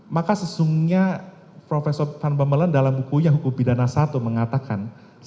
maka sesungguhnya profesor van bamelen dalam bukunya hukum pidana i mengatakan